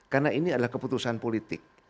karena ini adalah keputusan politik